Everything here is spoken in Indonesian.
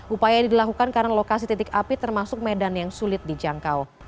upaya ini dilakukan karena lokasi titik api termasuk medan yang sulit dijangkau